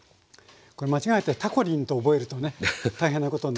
これ間違えて「たこリン」と覚えるとね大変なことになりますけども。